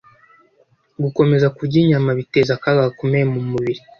Gukomeza kurya inyama biteza akaga gakomeye mu mubiri